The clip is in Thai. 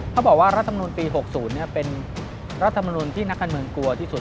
เขาบอกว่ารัฐมนุนปี๖๐เป็นรัฐมนุนที่นักการเมืองกลัวที่สุด